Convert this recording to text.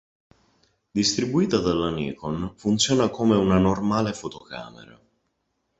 Distribuita dalla Nikon, funziona come una normale fotocamera.